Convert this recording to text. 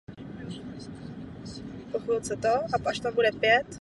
V přírodě loví hlavně během soumraku a svítání.